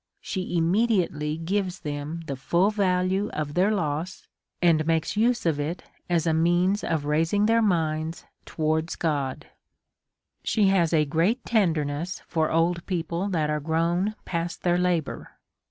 She immediately gives them the full value of I their loss, and makes use of it as a means of raising \ their minds toAvards God. She has a great tenderness for old people that are grown past their labour.